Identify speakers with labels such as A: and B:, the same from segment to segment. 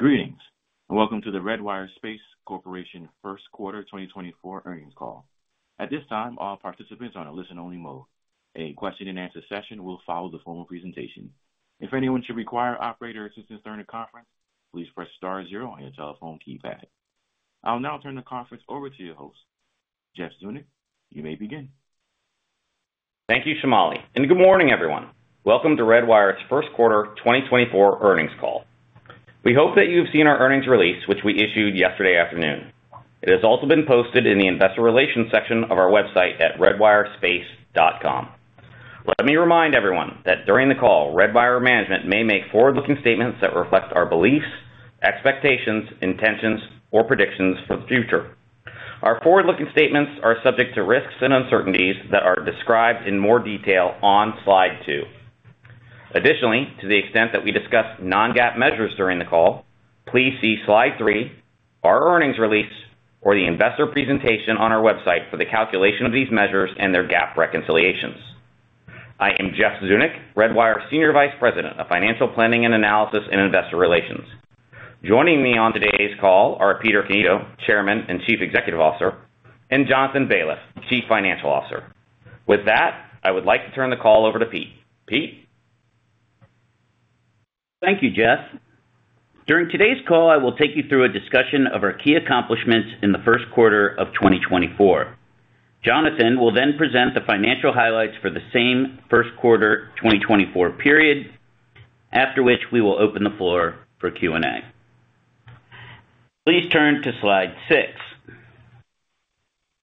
A: Greetings, and welcome to the Redwire Space Corporation first quarter 2024 earnings call. At this time, all participants are in a listen-only mode. A question-and-answer session will follow the formal presentation. If anyone should require operator assistance during the conference, please press star zero on your telephone keypad. I'll now turn the conference over to your host. Jeff Zeunik, you may begin.
B: Thank you, Shamali, and good morning, everyone. Welcome to Redwire's first quarter 2024 earnings call. We hope that you've seen our earnings release, which we issued yesterday afternoon. It has also been posted in the investor relations section of our website at redwirespace.com. Let me remind everyone that during the call, Redwire management may make forward-looking statements that reflect our beliefs, expectations, intentions, or predictions for the future. Our forward-looking statements are subject to risks and uncertainties that are described in more detail on slide two. Additionally, to the extent that we discuss Non-GAAP measures during the call, please see slide three, our earnings release, or the investor presentation on our website for the calculation of these measures and their GAAP reconciliations. I am Jeff Zeunik, Redwire's senior vice president of financial planning and analysis in investor relations. Joining me on today's call are Peter Cannito, Chairman and Chief Executive Officer, and Jonathan Baliff, Chief Financial Officer. With that, I would like to turn the call over to Pete. Pete?
C: Thank you, Jeff. During today's call, I will take you through a discussion of our key accomplishments in the first quarter of 2024. Jonathan will then present the financial highlights for the same first quarter 2024 period, after which we will open the floor for Q&A. Please turn to slide six.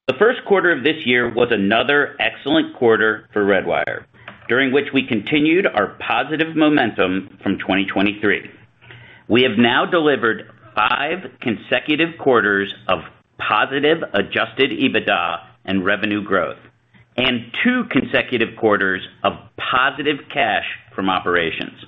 C: The first quarter of this year was another excellent quarter for Redwire, during which we continued our positive momentum from 2023. We have now delivered five consecutive quarters of positive Adjusted EBITDA and revenue growth, and two consecutive quarters of positive cash from operations.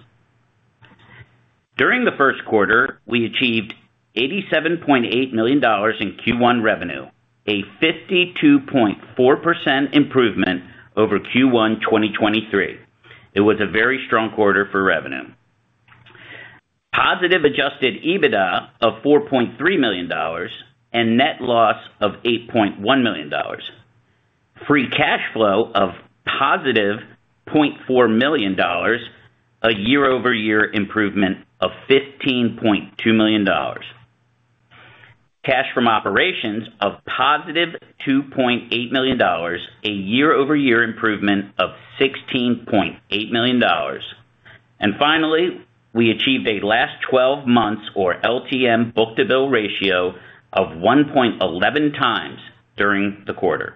C: During the first quarter, we achieved $87.8 million in Q1 revenue, a 52.4% improvement over Q1 2023. It was a very strong quarter for revenue. Positive Adjusted EBITDA of $4.3 million and net loss of $8.1 million. Free cash flow of positive $0.4 million, a year-over-year improvement of $15.2 million. Cash from operations of positive $2.8 million, a year-over-year improvement of $16.8 million. And finally, we achieved a last 12 months' or LTM book-to-bill ratio of 1.11 times during the quarter.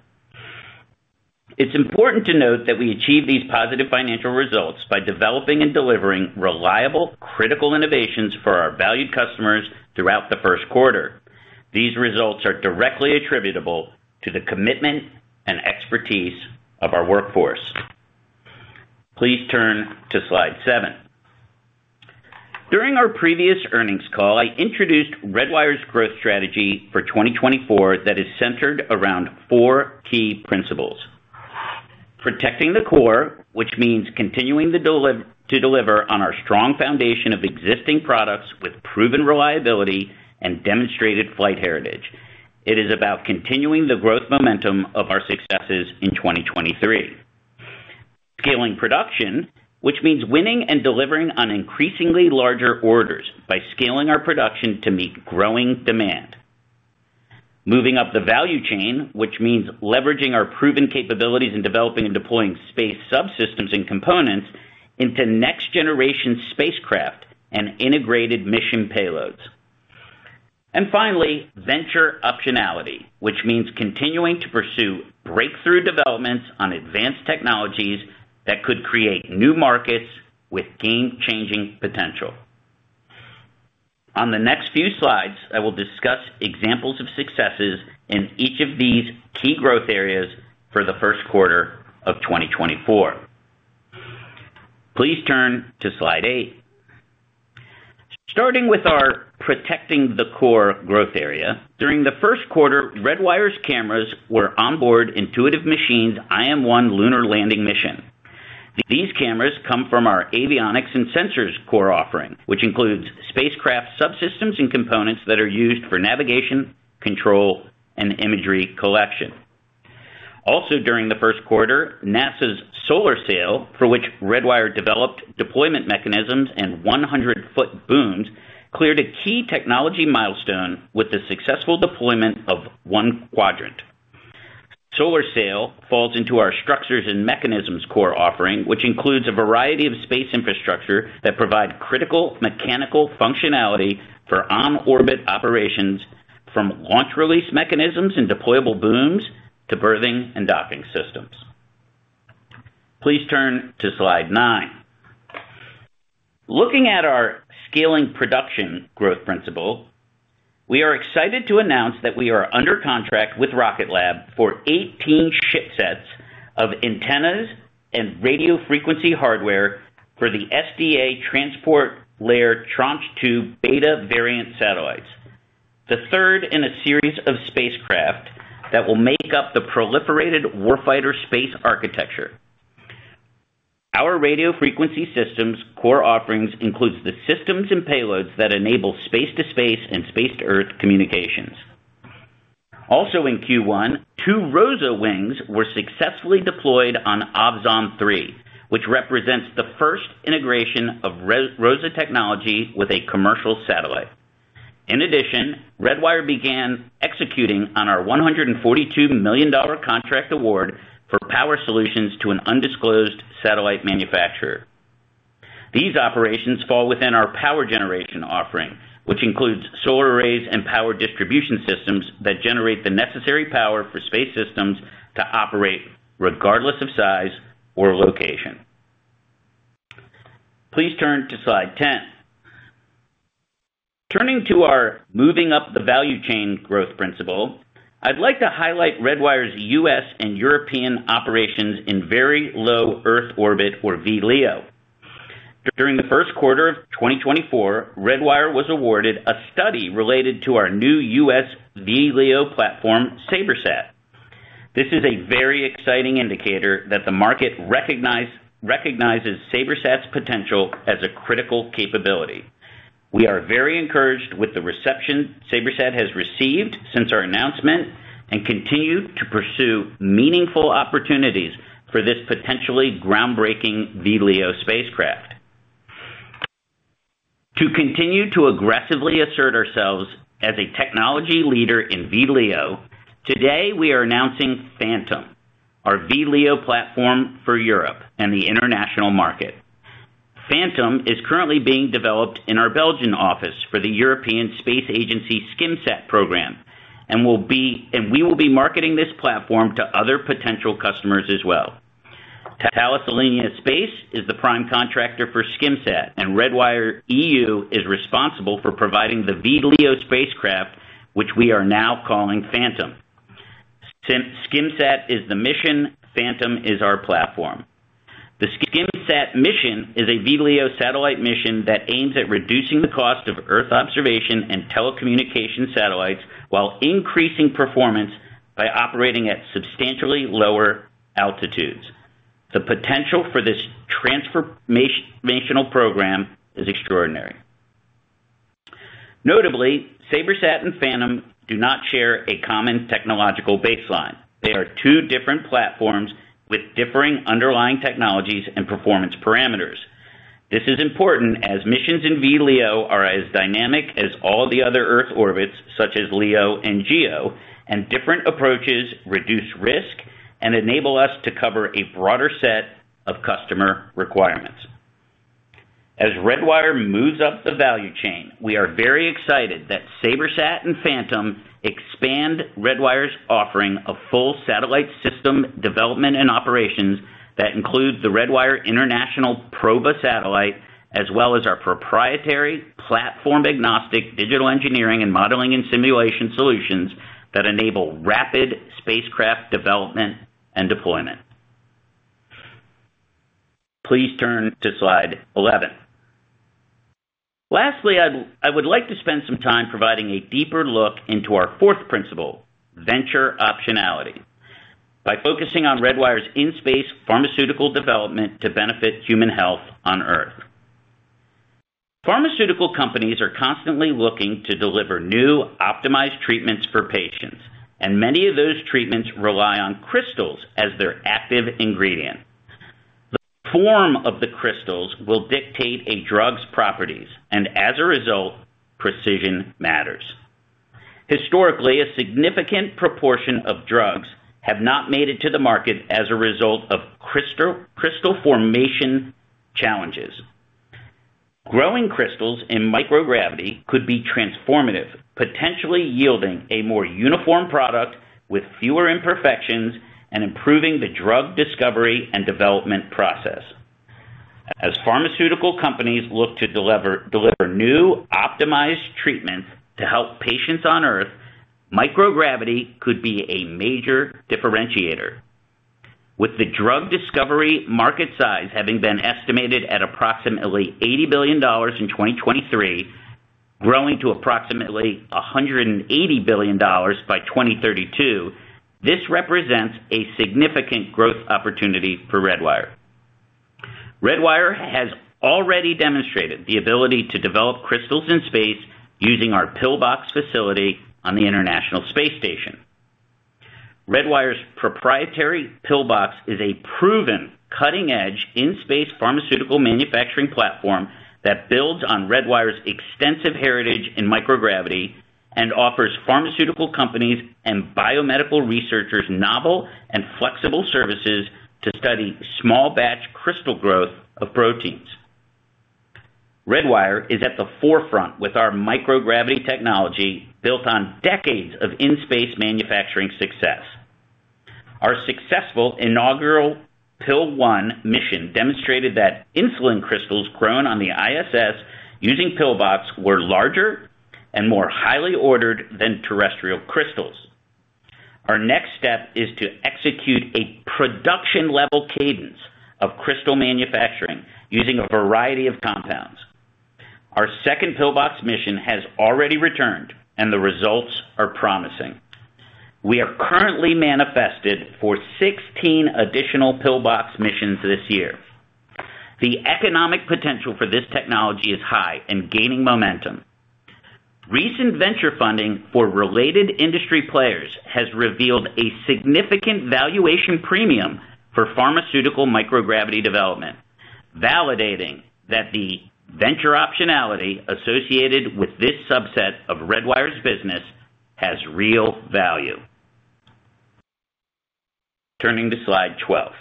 C: It's important to note that we achieved these positive financial results by developing and delivering reliable, critical innovations for our valued customers throughout the first quarter. These results are directly attributable to the commitment and expertise of our workforce. Please turn to slide seven. During our previous earnings call, I introduced Redwire's growth strategy for 2024 that is centered around four key principles. Protecting the core, which means continuing to deliver on our strong foundation of existing products with proven reliability and demonstrated flight heritage. It is about continuing the growth momentum of our successes in 2023. Scaling production, which means winning and delivering on increasingly larger orders by scaling our production to meet growing demand. Moving up the value chain, which means leveraging our proven capabilities in developing and deploying space subsystems and components into next-generation spacecraft and integrated mission payloads. And finally, venture optionality, which means continuing to pursue breakthrough developments on advanced technologies that could create new markets with game-changing potential. On the next few slides, I will discuss examples of successes in each of these key growth areas for the first quarter of 2024. Please turn to slide eight. Starting with our protecting the core growth area, during the first quarter, Redwire's cameras were onboard Intuitive Machines IM-1 lunar landing mission. These cameras come from our avionics and sensors core offering, which includes spacecraft subsystems and components that are used for navigation, control, and imagery collection. Also, during the first quarter, NASA's Solar Sail, for which Redwire developed deployment mechanisms and 100-foot booms, cleared a key technology milestone with the successful deployment of one quadrant. Solar Sail falls into our structures and mechanisms core offering, which includes a variety of space infrastructure that provide critical mechanical functionality for on-orbit operations, from launch release mechanisms and deployable booms to berthing and docking systems. Please turn to slide nine. Looking at our scaling production growth principle, we are excited to announce that we are under contract with Rocket Lab for 18 shipsets of antennas and radio frequency hardware for the SDA Transport Layer Tranche 2 Beta variant satellites, the third in a series of spacecraft that will make up the Proliferated Warfighter Space Architecture. Our radio frequency systems core offerings include the systems and payloads that enable space-to-space and space-to-earth communications. Also in Q1, two ROSA wings were successfully deployed on Ovzon 3, which represents the first integration of ROSA technology with a commercial satellite. In addition, Redwire began executing on our $142 million contract award for power solutions to an undisclosed satellite manufacturer. These operations fall within our power generation offering, which includes solar arrays and power distribution systems that generate the necessary power for space systems to operate regardless of size or location. Please turn to Slide 10. Turning to our moving up the value chain growth principle, I'd like to highlight Redwire's U.S. and European operations in very low Earth orbit, or VLEO. During the first quarter of 2024, Redwire was awarded a study related to our new U.S. VLEO platform, SabreSat. This is a very exciting indicator that the market recognizes SabreSat's potential as a critical capability. We are very encouraged with the reception SabreSat has received since our announcement and continue to pursue meaningful opportunities for this potentially groundbreaking VLEO spacecraft. To continue to aggressively assert ourselves as a technology leader in VLEO, today we are announcing Phantom, our VLEO platform for Europe and the international market. Phantom is currently being developed in our Belgian office for the European Space Agency SkimSat Program, and we will be marketing this platform to other potential customers as well. Thales Alenia Space is the prime contractor for SkimSat, and Redwire EU is responsible for providing the VLEO spacecraft, which we are now calling Phantom. SkimSat is the mission. Phantom is our platform. The SkimSat mission is a VLEO satellite mission that aims at reducing the cost of Earth observation and telecommunication satellites while increasing performance by operating at substantially lower altitudes. The potential for this transformational program is extraordinary. Notably, SabreSat and Phantom do not share a common technological baseline. They are two different platforms with differing underlying technologies and performance parameters. This is important as missions in VLEO are as dynamic as all the other Earth orbits, such as LEO and GEO, and different approaches reduce risk and enable us to cover a broader set of customer requirements. As Redwire moves up the value chain, we are very excited that SabreSat and Phantom expand Redwire's offering of full satellite system development and operations that include the Redwire International Proba satellite, as well as our proprietary platform-agnostic digital engineering and modeling and simulation solutions that enable rapid spacecraft development and deployment. Please turn to Slide 11. Lastly, I would like to spend some time providing a deeper look into our fourth principle, venture optionality, by focusing on Redwire's in-space pharmaceutical development to benefit human health on Earth. Pharmaceutical companies are constantly looking to deliver new, optimized treatments for patients, and many of those treatments rely on crystals as their active ingredient. The form of the crystals will dictate a drug's properties, and as a result, precision matters. Historically, a significant proportion of drugs have not made it to the market as a result of crystal formation challenges. Growing crystals in microgravity could be transformative, potentially yielding a more uniform product with fewer imperfections and improving the drug discovery and development process. As pharmaceutical companies look to deliver new, optimized treatments to help patients on Earth, microgravity could be a major differentiator. With the drug discovery market size having been estimated at approximately $80 billion in 2023, growing to approximately $180 billion by 2032, this represents a significant growth opportunity for Redwire. Redwire has already demonstrated the ability to develop crystals in space using our PIL-BOX facility on the International Space Station. Redwire's proprietary PIL-BOX is a proven, cutting-edge in-space pharmaceutical manufacturing platform that builds on Redwire's extensive heritage in microgravity and offers pharmaceutical companies and biomedical researchers novel and flexible services to study small-batch crystal growth of proteins. Redwire is at the forefront with our microgravity technology built on decades of in-space manufacturing success. Our successful inaugural PIL-01 mission demonstrated that insulin crystals grown on the ISS using PIL-BOX were larger and more highly ordered than terrestrial crystals. Our next step is to execute a production-level cadence of crystal manufacturing using a variety of compounds. Our second PIL-BOX mission has already returned, and the results are promising. We are currently manifested for 16 additional PIL-BOX missions this year. The economic potential for this technology is high and gaining momentum. Recent venture funding for related industry players has revealed a significant valuation premium for pharmaceutical microgravity development, validating that the venture optionality associated with this subset of Redwire's business has real value. Turning to Slide 12.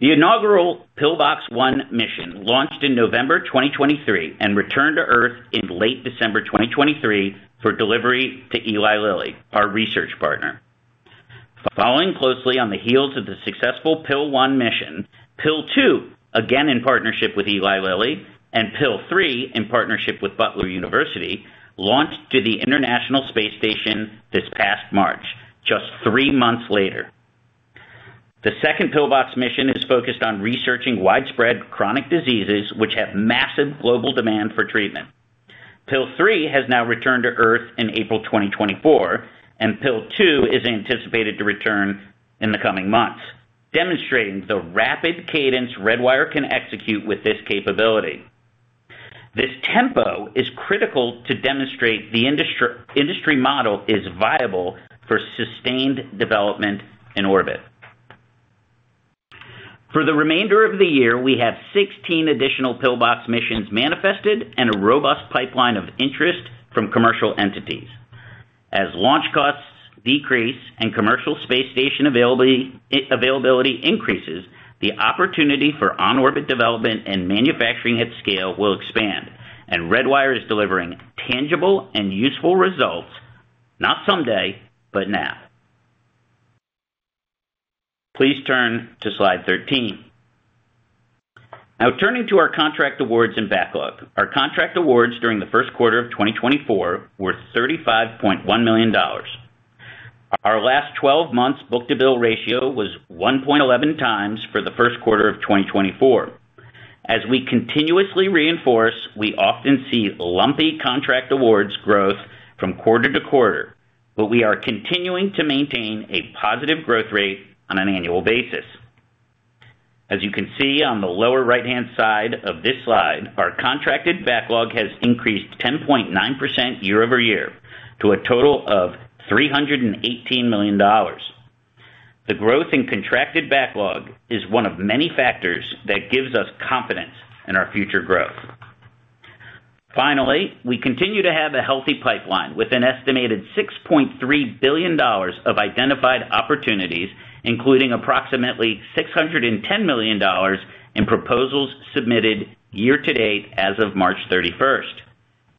C: The inaugural PIL-01 mission launched in November 2023 and returned to Earth in late December 2023 for delivery to Eli Lilly, our research partner. Following closely on the heels of the successful PIL-01 mission, PIL-02, again in partnership with Eli Lilly, and PIL-03 in partnership with Butler University, launched to the International Space Station this past March, just three months later. The second PIL-BOX mission is focused on researching widespread chronic diseases which have massive global demand for treatment. PIL-03 has now returned to Earth in April 2024, and PIL-02 is anticipated to return in the coming months, demonstrating the rapid cadence Redwire can execute with this capability. This tempo is critical to demonstrate the industry model is viable for sustained development in orbit. For the remainder of the year, we have 16 additional PIL-BOX missions manifested and a robust pipeline of interest from commercial entities. As launch costs decrease and commercial space station availability increases, the opportunity for on-orbit development and manufacturing at scale will expand, and Redwire is delivering tangible and useful results, not someday, but now. Please turn to Slide 13. Now, turning to our contract awards and backlog. Our contract awards during the first quarter of 2024 were $35.1 million. Our last 12 months book-to-bill ratio was 1.11x for the first quarter of 2024. As we continuously reinforce, we often see lumpy contract awards growth from quarter to quarter, but we are continuing to maintain a positive growth rate on an annual basis. As you can see on the lower right-hand side of this slide, our contracted backlog has increased 10.9% year-over-year to a total of$ 318 million. The growth in contracted backlog is one of many factors that gives us confidence in our future growth. Finally, we continue to have a healthy pipeline with an estimated $6.3 billion of identified opportunities, including approximately $610 million in proposals submitted year-to-date as of March 31st.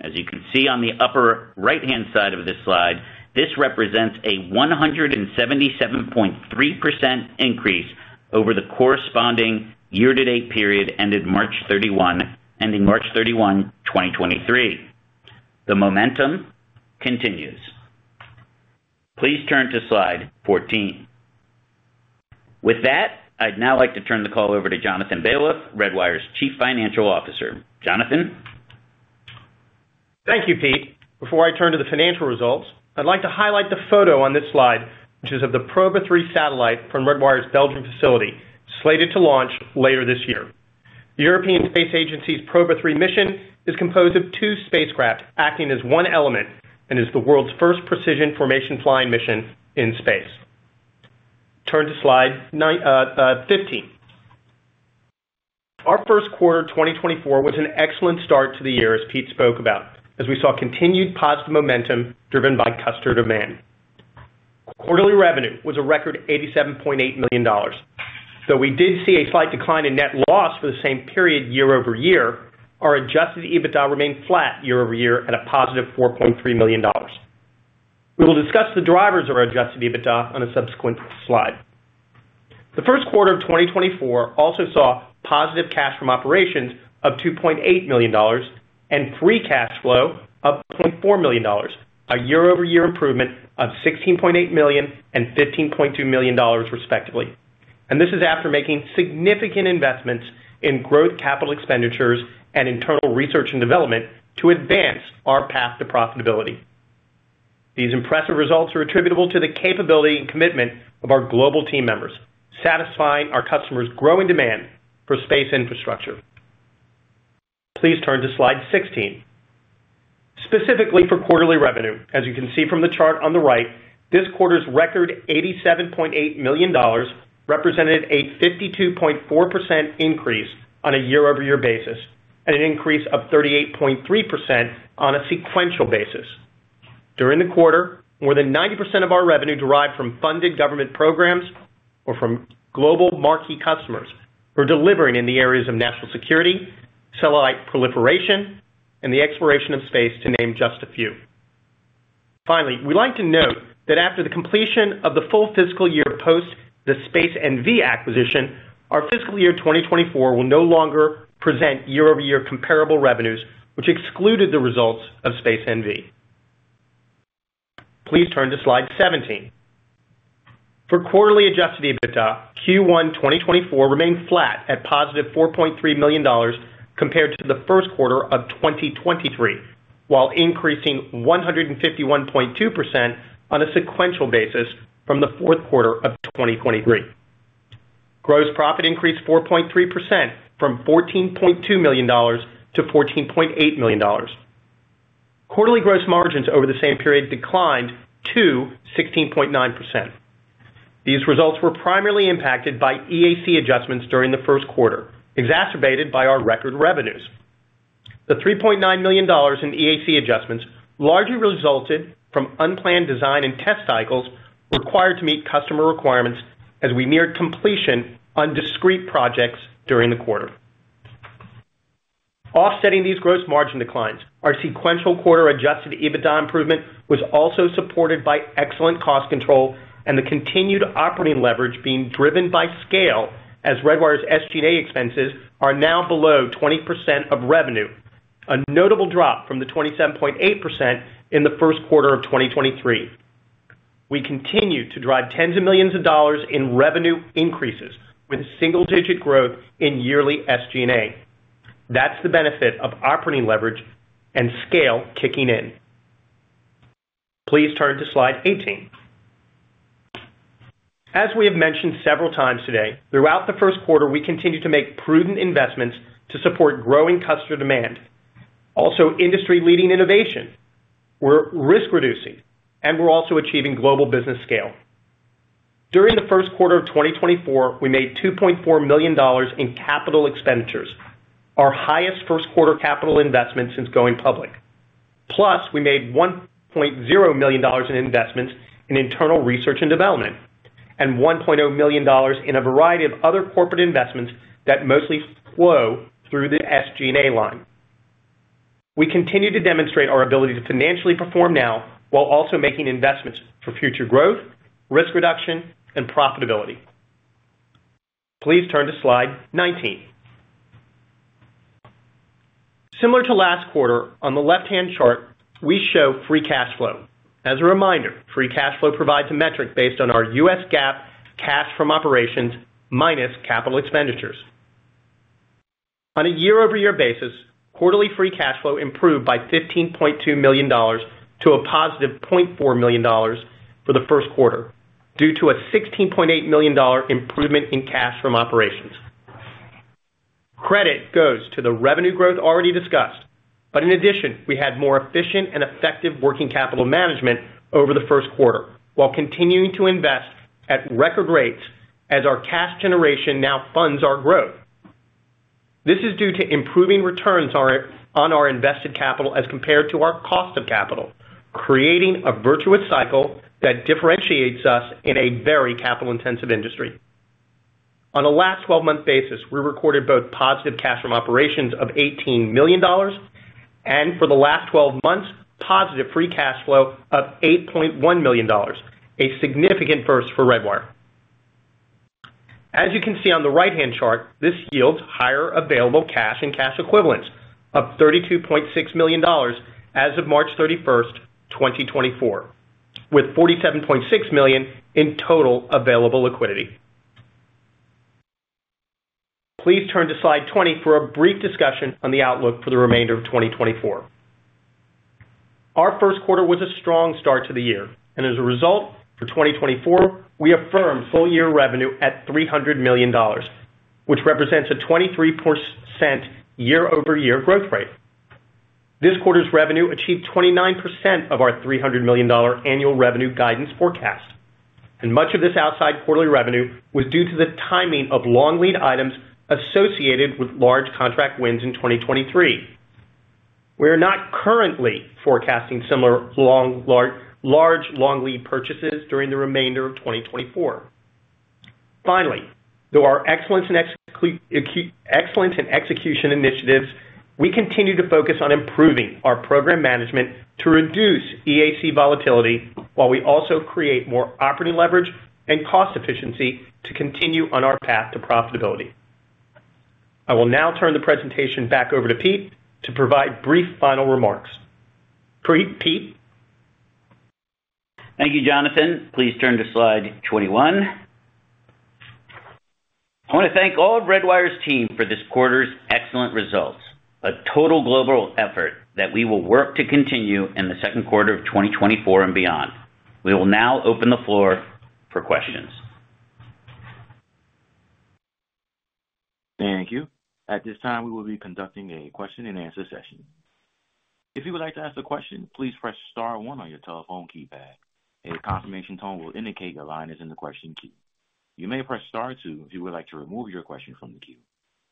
C: As you can see on the upper right-hand side of this slide, this represents a 177.3% increase over the corresponding year-to-date period ending March 31st, 2023. The momentum continues. Please turn to Slide 14. With that, I'd now like to turn the call over to Jonathan Baliff, Redwire's Chief Financial Officer. Jonathan? Thank you, Pete.
D: Before I turn to the financial results, I'd like to highlight the photo on this slide, which is of the Proba-3 satellite from Redwire's Belgian facility, slated to launch later this year. The European Space Agency's Proba-3 mission is composed of two spacecraft acting as one element and is the world's first precision formation flying mission in space. Turn to Slide 15. Our first quarter 2024 was an excellent start to the year, as Pete spoke about, as we saw continued positive momentum driven by customer demand. Quarterly revenue was a record $87.8 million. Though we did see a slight decline in net loss for the same period year-over-year, our Adjusted EBITDA remained flat year-over-year at a positive $4.3 million. We will discuss the drivers of our Adjusted EBITDA on a subsequent slide. The first quarter of 2024 also saw positive cash from operations of $2.8 million and free cash flow of $0.4 million, a year-over-year improvement of $16.8 million and $15.2 million, respectively. This is after making significant investments in growth capital expenditures and internal research and development to advance our path to profitability. These impressive results are attributable to the capability and commitment of our global team members, satisfying our customers' growing demand for space infrastructure. Please turn to Slide 16. Specifically for quarterly revenue, as you can see from the chart on the right, this quarter's record $87.8 million represented a 52.4% increase on a year-over-year basis and an increase of 38.3% on a sequential basis. During the quarter, more than 90% of our revenue derived from funded government programs or from global marquee customers who are delivering in the areas of national security, satellite proliferation, and the exploration of space, to name just a few. Finally, we'd like to note that after the completion of the full fiscal year post the Space NV acquisition, our fiscal year 2024 will no longer present year-over-year comparable revenues, which excluded the results of Space NV. Please turn to Slide 17. For quarterly Adjusted EBITDA, Q1 2024 remained flat at positive $4.3 million compared to the first quarter of 2023, while increasing 151.2% on a sequential basis from the fourth quarter of 2023. Gross profit increased 4.3% from $14.2 million-$14.8 million. Quarterly gross margins over the same period declined to 16.9%. These results were primarily impacted by EAC adjustments during the first quarter, exacerbated by our record revenues. The $3.9 million in EAC adjustments largely resulted from unplanned design and test cycles required to meet customer requirements as we neared completion on discrete projects during the quarter. Offsetting these gross margin declines, our sequential quarter adjusted EBITDA improvement was also supported by excellent cost control and the continued operating leverage being driven by scale as Redwire's SG&A expenses are now below 20% of revenue, a notable drop from the 27.8% in the first quarter of 2023. We continue to drive tens of millions of dollars in revenue increases with single-digit growth in yearly SG&A. That's the benefit of operating leverage and scale kicking in. Please turn to slide 18. As we have mentioned several times today, throughout the first quarter, we continue to make prudent investments to support growing customer demand, also industry-leading innovation. We're risk-reducing, and we're also achieving global business scale. During the first quarter of 2024, we made $2.4 million in capital expenditures, our highest first-quarter capital investment since going public. Plus, we made $1.0 million in investments in internal research and development and $1.0 million in a variety of other corporate investments that mostly flow through the SG&A line. We continue to demonstrate our ability to financially perform now while also making investments for future growth, risk reduction, and profitability. Please turn to Slide 19. Similar to last quarter, on the left-hand chart, we show free cash flow. As a reminder, free cash flow provides a metric based on our U.S. GAAP cash from operations minus capital expenditures. On a year-over-year basis, quarterly free cash flow improved by $15.2 million to a positive $0.4 million for the first quarter due to a $16.8 million improvement in cash from operations. Credit goes to the revenue growth already discussed, but in addition, we had more efficient and effective working capital management over the first quarter while continuing to invest at record rates as our cash generation now funds our growth. This is due to improving returns on our invested capital as compared to our cost of capital, creating a virtuous cycle that differentiates us in a very capital-intensive industry. On a last 12-month basis, we recorded both positive cash from operations of $18 million and, for the last 12 months, positive free cash flow of $8.1 million, a significant first for Redwire. As you can see on the right-hand chart, this yields higher available cash and cash equivalents of $32.6 million as of March 31, 2024, with $47.6 million in total available liquidity. Please turn to Slide 20 for a brief discussion on the outlook for the remainder of 2024. Our first quarter was a strong start to the year, and as a result, for 2024, we affirmed full-year revenue at $300 million, which represents a 23% year-over-year growth rate. This quarter's revenue achieved 29% of our $300 million annual revenue guidance forecast, and much of this outsized quarterly revenue was due to the timing of long lead items associated with large contract wins in 2023. We are not currently forecasting similar large long lead purchases during the remainder of 2024. Finally, through our excellence and execution initiatives, we continue to focus on improving our program management to reduce EAC volatility while we also create more operating leverage and cost efficiency to continue on our path to profitability. I will now turn the presentation back over to Pete to provide brief final remarks. Pete.
C: Thank you, Jonathan. Please turn to Slide 21. I want to thank all of Redwire's team for this quarter's excellent results, a total global effort that we will work to continue in the second quarter of 2024 and beyond. We will now open the floor for questions.
A: Thank you. At this time, we will be conducting a question-and-answer session. If you would like to ask a question, please press star one on your telephone keypad. A confirmation tone will indicate your line is in the question queue. You may press star two if you would like to remove your question from the queue.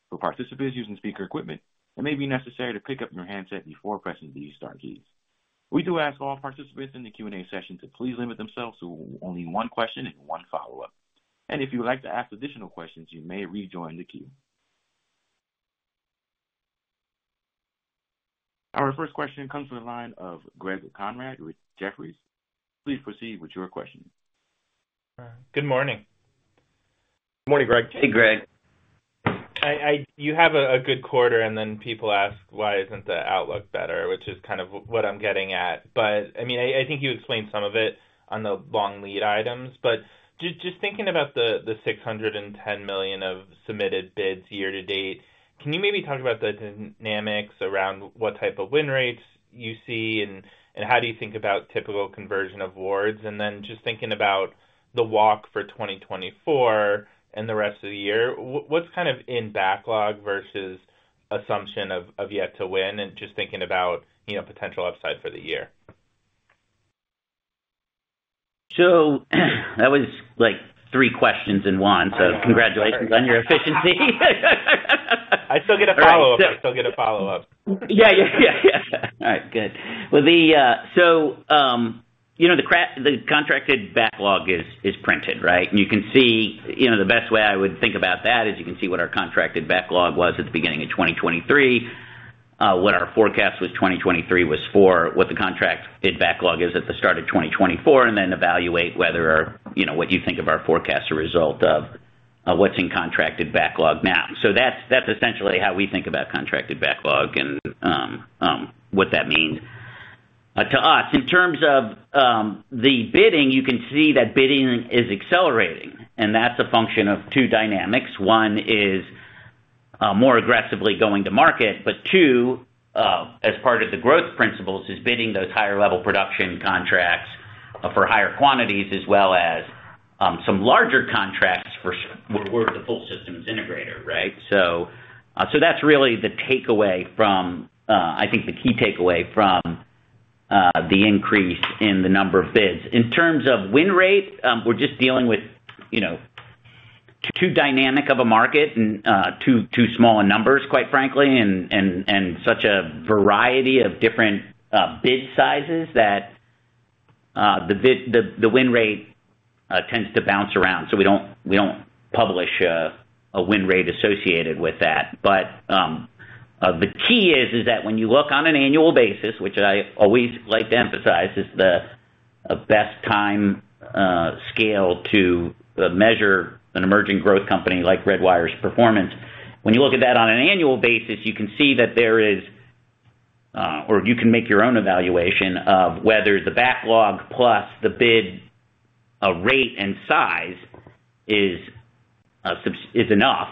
A: For participants using speaker equipment, it may be necessary to pick up your handset before pressing these star keys. We do ask all participants in the Q&A session to please limit themselves to only one question and one follow-up. If you would like to ask additional questions, you may rejoin the queue. Our first question comes from the line of Greg Conrad with Jefferies. Please proceed with your question.
E: Good morning. Good morning, Greg. Hey, Greg. You have a good quarter, and then people ask, "Why isn't the outlook better?" which is kind of what I'm getting at. But I mean, I think you explained some of it on the long lead items. But just thinking about the $610 million of submitted bids year to date, can you maybe talk about the dynamics around what type of win rates you see and how do you think about typical conversion awards? And then just thinking about the walk for 2024 and the rest of the year, what's kind of in backlog versus assumption of yet to win and just thinking about potential upside for the year?
C: So that was three questions in one. So congratulations on your efficiency. I still get a follow-up.
E: I still get a follow-up.
C: Yeah, yeah, yeah, yeah. All right. Good. Well, so the contracted backlog is printed, right? And you can see the best way I would think about that is you can see what our contracted backlog was at the beginning of 2023, what our forecast was 2023 was for, what the contracted backlog is at the start of 2024, and then evaluate what you think of our forecasts as a result of what's in contracted backlog now. So that's essentially how we think about contracted backlog and what that means to us. In terms of the bidding, you can see that bidding is accelerating, and that's a function of two dynamics. One is more aggressively going to market, but two, as part of the growth principles, is bidding those higher-level production contracts for higher quantities as well as some larger contracts where the full system is integrated, right? So that's really the takeaway from, I think, the key takeaway from the increase in the number of bids. In terms of win rate, we're just dealing with too dynamic of a market and too small in numbers, quite frankly, and such a variety of different bid sizes that the win rate tends to bounce around. So we don't publish a win rate associated with that. But the key is that when you look on an annual basis, which I always like to emphasize is the best time scale to measure an emerging growth company like Redwire's performance, when you look at that on an annual basis, you can see that there is or you can make your own evaluation of whether the backlog plus the bid rate and size is enough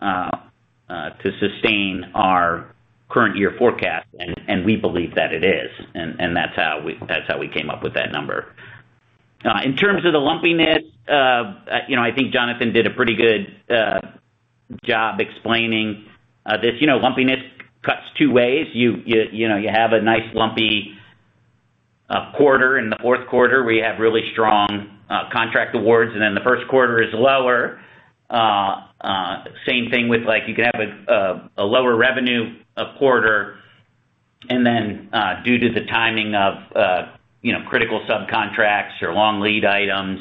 C: to sustain our current year forecast. And we believe that it is. And that's how we came up with that number. In terms of the lumpiness, I think Jonathan did a pretty good job explaining this. Lumpiness cuts two ways. You have a nice lumpy quarter. In the fourth quarter, we have really strong contract awards. And then the first quarter is lower. Same thing with you can have a lower revenue quarter. And then due to the timing of critical subcontracts or long lead items,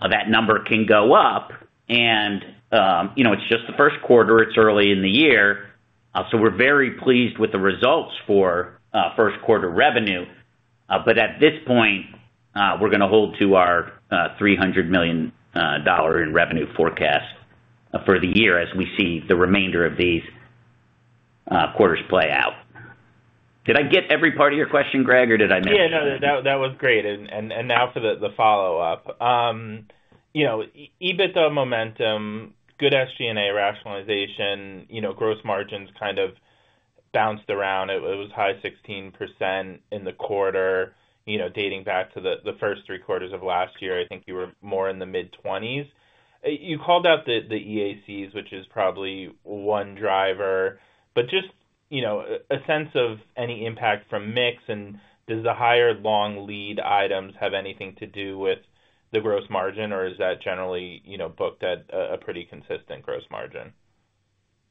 C: that number can go up. And it's just the first quarter. It's early in the year. So we're very pleased with the results for first-quarter revenue. But at this point, we're going to hold to our $300 million in revenue forecast for the year as we see the remainder of these quarters play out. Did I get every part of your question, Greg, or did I miss?
E: Yeah, no, that was great. And now for the follow-up. EBITDA momentum, good SG&A rationalization, gross margins kind of bounced around. It was high 16% in the quarter dating back to the first three quarters of last year. I think you were more in the mid-20s. You called out the EACs, which is probably one driver, but just a sense of any impact from mix. Does the higher long lead items have anything to do with the gross margin, or is that generally booked at a pretty consistent gross margin?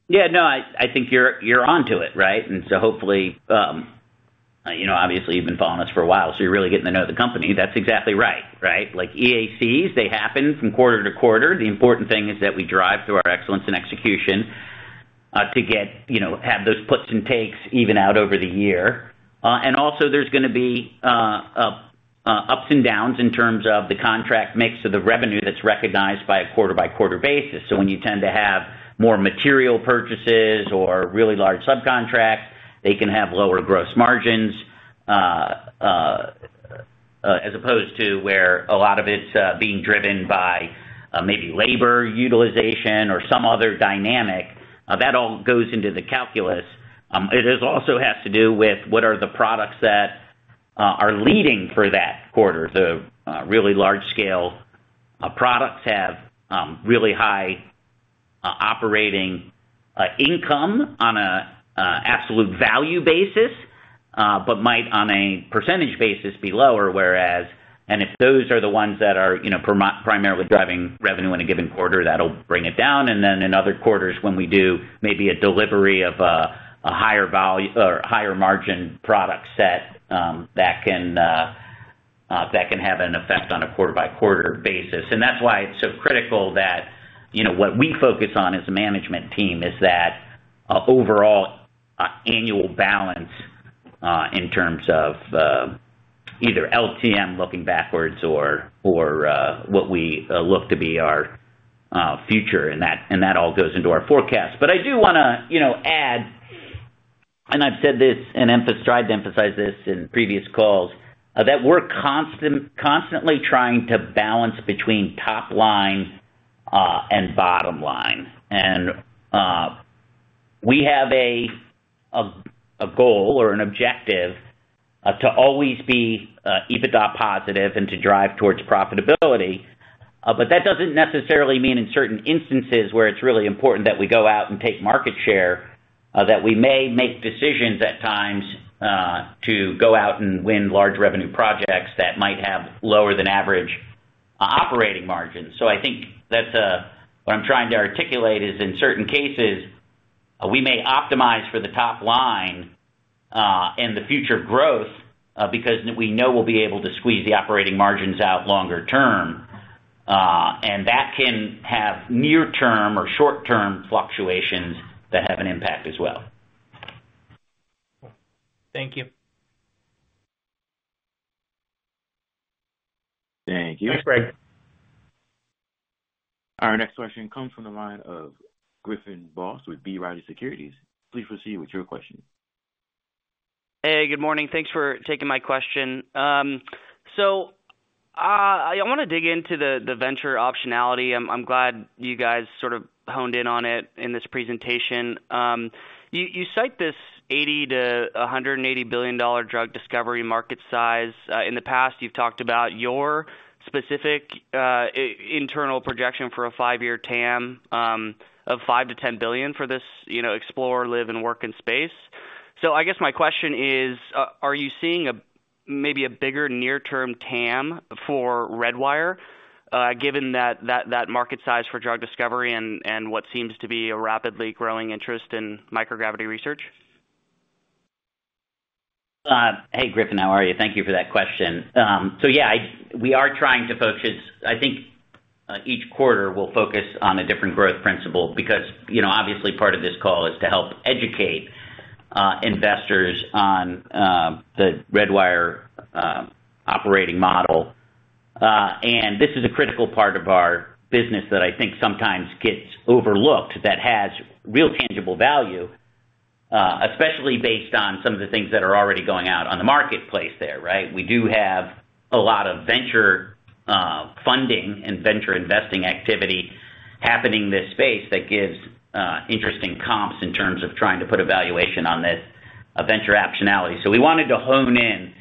C: Yeah, no, I think you're onto it, right? And so hopefully obviously, you've been following us for a while, so you're really getting to know the company. That's exactly right, right? EACs, they happen from quarter to quarter. The important thing is that we drive through our excellence and execution to have those puts and takes even out over the year. And also, there's going to be ups and downs in terms of the contract mix of the revenue that's recognized by a quarter-by-quarter basis. So when you tend to have more material purchases or really large subcontracts, they can have lower gross margins as opposed to where a lot of it's being driven by maybe labor utilization or some other dynamic. That all goes into the calculus. It also has to do with what are the products that are leading for that quarter. The really large-scale products have really high operating income on an absolute value basis but might, on a percentage basis, be lower, whereas and if those are the ones that are primarily driving revenue in a given quarter, that'll bring it down. And then in other quarters, when we do maybe a delivery of a higher margin product set, that can have an effect on a quarter-by-quarter basis. And that's why it's so critical that what we focus on as a management team is that overall annual balance in terms of either LTM looking backwards or what we look to be our future. And that all goes into our forecast. I do want to add and I've said this and tried to emphasize this in previous calls, that we're constantly trying to balance between top line and bottom line. We have a goal or an objective to always be EBITDA positive and to drive towards profitability. That doesn't necessarily mean in certain instances where it's really important that we go out and take market share that we may make decisions at times to go out and win large revenue projects that might have lower-than-average operating margins. I think what I'm trying to articulate is in certain cases, we may optimize for the top line and the future growth because we know we'll be able to squeeze the operating margins out longer term. That can have near-term or short-term fluctuations that have an impact as well.
E: Thank you.
C: Thank you. Thanks, Greg.
A: Our next question comes from the line of Griffin Boss with B. Riley Securities. Please proceed with your question.
F: Hey, good morning. Thanks for taking my question. So I want to dig into the venture optionality. I'm glad you guys sort of honed in on it in this presentation. You cite this $80 billion-$180 billion drug discovery market size. In the past, you've talked about your specific internal projection for a five-year TAM of $5 billion-$10 billion for this Explore, Live, and Work in Space. So I guess my question is, are you seeing maybe a bigger near-term TAM for Redwire given that market size for drug discovery and what seems to be a rapidly growing interest in microgravity research?
C: Hey, Griffin. How are you? Thank you for that question. So yeah, we are trying to focus. I think each quarter we'll focus on a different growth principle because obviously, part of this call is to help educate investors on the Redwire operating model. And this is a critical part of our business that I think sometimes gets overlooked that has real tangible value, especially based on some of the things that are already going out on the marketplace there, right? We do have a lot of venture funding and venture investing activity happening in this space that gives interesting comps in terms of trying to put valuation on this venture optionality. So we wanted to hone in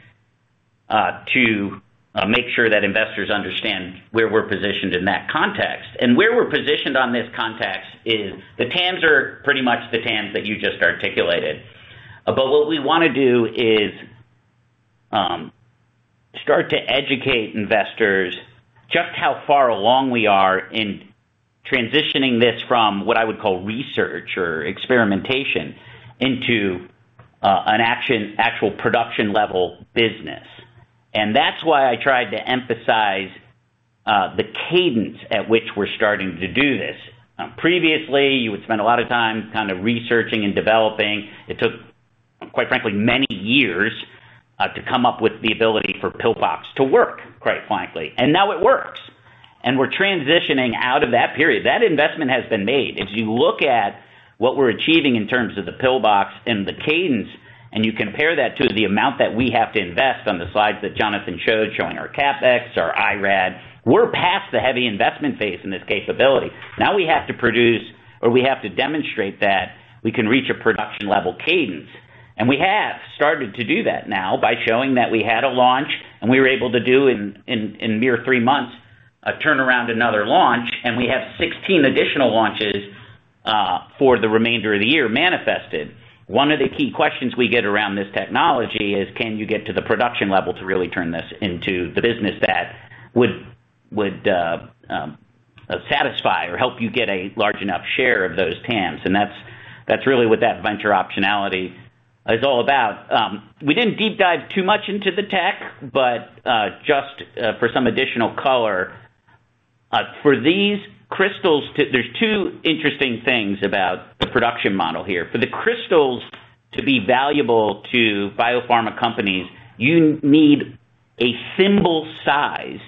C: to make sure that investors understand where we're positioned in that context. And where we're positioned on this context is the TAMs are pretty much the TAMs that you just articulated. But what we want to do is start to educate investors just how far along we are in transitioning this from what I would call research or experimentation into an actual production-level business. And that's why I tried to emphasize the cadence at which we're starting to do this. Previously, you would spend a lot of time kind of researching and developing. It took, quite frankly, many years to come up with the ability for PIL-BOX to work, quite frankly. And now it works. And we're transitioning out of that period. That investment has been made. As you look at what we're achieving in terms of the PIL-BOX and the cadence and you compare that to the amount that we have to invest on the slides that Jonathan showed showing our CapEx, our IRAD, we're past the heavy investment phase in this capability. Now we have to produce or we have to demonstrate that we can reach a production-level cadence. We have started to do that now by showing that we had a launch, and we were able to do in mere three months turn around another launch. We have 16 additional launches for the remainder of the year manifested. One of the key questions we get around this technology is, can you get to the production level to really turn this into the business that would satisfy or help you get a large enough share of those TAMs? That's really what that venture optionality is all about. We didn't deep dive too much into the tech, but just for some additional color, for these crystals to there's two interesting things about the production model here. For the crystals to be valuable to biopharma companies, you need a symbol-size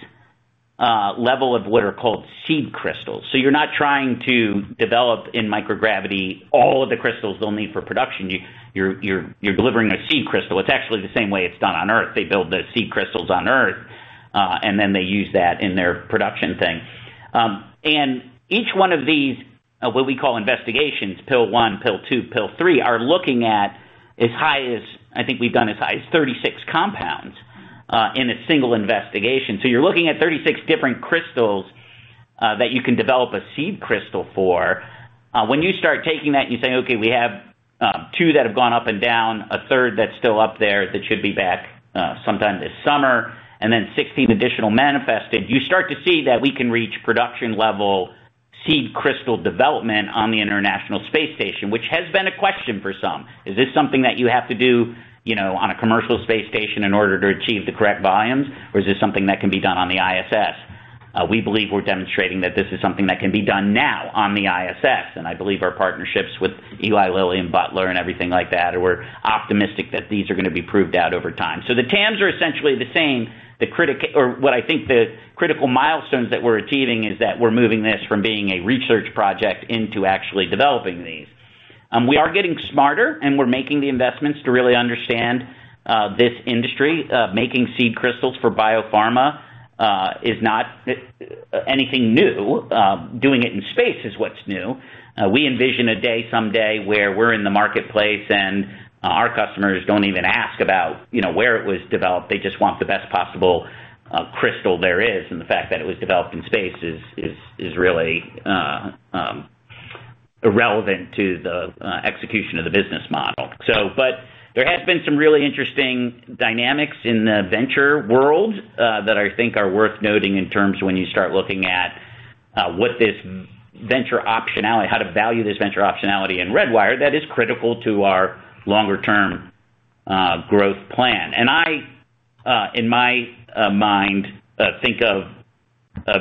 C: level of what are called seed crystals. So you're not trying to develop in microgravity all of the crystals they'll need for production. You're delivering a seed crystal. It's actually the same way it's done on Earth. They build the seed crystals on Earth, and then they use that in their production thing. And each one of these what we call investigations, PIL-01, PIL-02, PIL-03, are looking at as high as I think we've done as high as 36 compounds in a single investigation. So you're looking at 36 different crystals that you can develop a seed crystal for. When you start taking that and you say, "Okay, we have two that have gone up and down, a third that's still up there that should be back sometime this summer, and then 16 additional manifested," you start to see that we can reach production-level seed crystal development on the International Space Station, which has been a question for some. Is this something that you have to do on a commercial space station in order to achieve the correct volumes, or is this something that can be done on the ISS? We believe we're demonstrating that this is something that can be done now on the ISS. And I believe our partnerships with Eli Lilly and Butler and everything like that, we're optimistic that these are going to be proved out over time. So the TAMs are essentially the same. Or what I think the critical milestones that we're achieving is that we're moving this from being a research project into actually developing these. We are getting smarter, and we're making the investments to really understand this industry. Making seed crystals for biopharma is not anything new. Doing it in space is what's new. We envision a day someday where we're in the marketplace, and our customers don't even ask about where it was developed. They just want the best possible crystal there is. And the fact that it was developed in space is really relevant to the execution of the business model. But there has been some really interesting dynamics in the venture world that I think are worth noting in terms when you start looking at what this venture optionality how to value this venture optionality in Redwire that is critical to our longer-term growth plan. And I, in my mind, think of